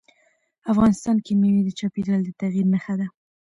افغانستان کې مېوې د چاپېریال د تغیر نښه ده.